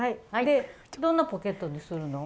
でどんなポケットにするの？